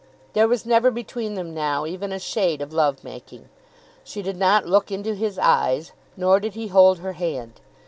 There was never between them now even a shade of love making. She did not look into his eyes, nor did he hold her hand.